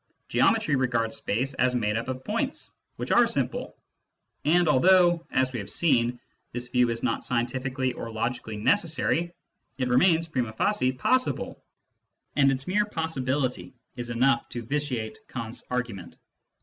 Geometry regards space as made up of points, which are simple ; and although, as we have seen, this view is not scientifically or logically necessaryy it remains primd facie possible, and its mere possibility is enough to vitiate Kant's argu ment.